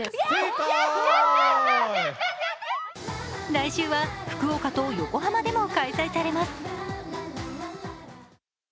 来週は福岡と横浜でも開催されます。